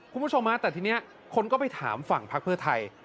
คุณผู้ชมฮะแต่ทีนี้คนก็ไปถามฝั่งพักเพื่อไทย